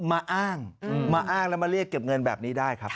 มาอ้างมาอ้างแล้วมาเรียกเก็บเงินแบบนี้ได้ครับ